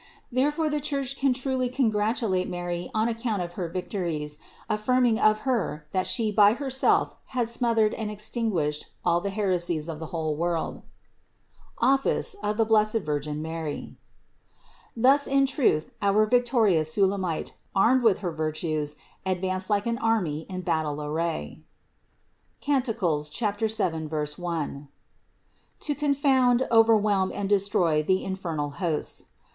Therefore the Church can truly con gratulate Mary on account of her victories, affirming of Her, that She by Herself has smothered and extinguished all the heresies of the whole world (Office B. V. M.). Thus in truth our victorious Sulamite, armed with her virtues advanced like an army in battle array (Cant. 7, 1) to confound, overwhelm and destroy the infernal hosts.